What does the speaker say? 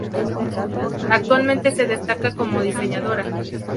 Actualmente, se destaca como diseñadora.